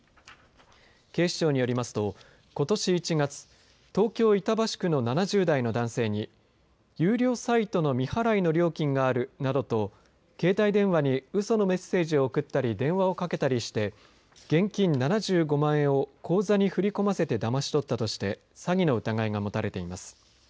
警視庁によりますとことし１月東京、板橋区の７０代の男性に有料サイトの未払いの料金があるなどと携帯電話にうそのメッセージを送ったり電話をかけたりして現金７５万円を口座に振り込ませてだまし取ったとした詐欺の疑いが持たれています。